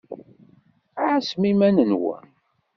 Ɛasem iman-nwen.